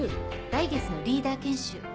来月のリーダー研修